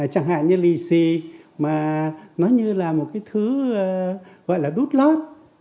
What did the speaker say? chẳng hạn như lì xì mà nó như là một cái thứ gọi là bút lót